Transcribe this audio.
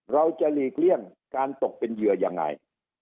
หลีกเลี่ยงการตกเป็นเหยื่อยังไง